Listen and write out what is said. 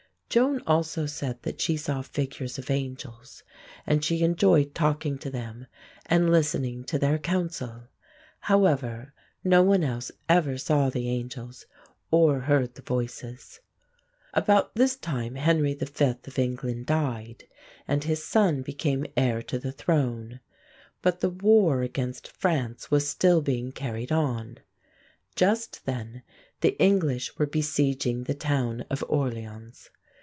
Joan also said that she saw figures of angels, and she enjoyed talking to them and listening to their counsel. However, no one else ever saw the angels or heard the Voices. About this time Henry V of England died, and his son became heir to the throne. But the war against France was still being carried on. Just then the English were besieging the town of Orléans.